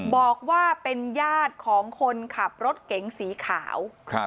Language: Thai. บอกว่าเป็นญาติของคนขับรถเก๋งสีขาว